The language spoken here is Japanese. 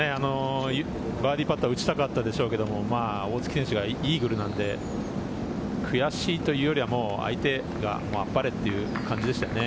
バーディーパットは打ちたかったでしょうけれども、大槻選手がイーグルなので、悔しいというよりは相手があっぱれという感じでしたよね。